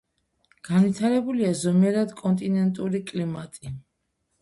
განვითარებულია ზომიერად კონტინენტური კლიმატი.